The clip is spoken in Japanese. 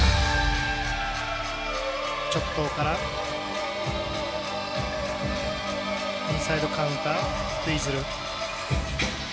チョクトウからインサイドカウンターツイズル。